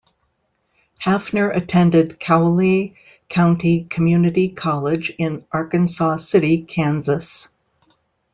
Hafner attended Cowley County Community College in Arkansas City, Kansas.